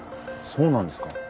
そうなんですか？